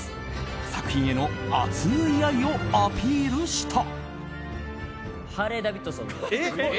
作品への熱い愛をアピールした。